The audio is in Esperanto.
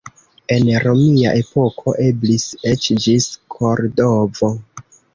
En romia epoko eblis eĉ ĝis Kordovo.